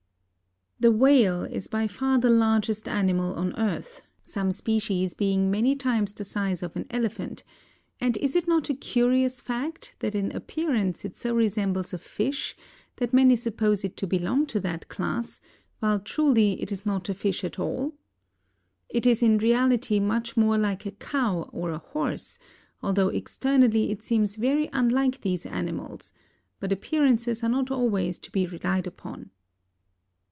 _) The whale is by far the largest animal on earth, some species being many times the size of an elephant, and is it not a curious fact that in appearance it so resembles a fish that many suppose it to belong to that class, while truly it is not a fish at all? It is in reality much more like a cow or a horse, although externally it seems very unlike these animals; but appearances are not always to be relied upon.